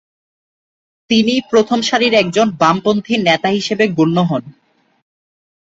তিনি প্রথম সারির একজন বামপন্থী নেতা হিসাবে গণ্য হন।